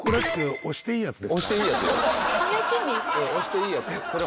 押していいやつ。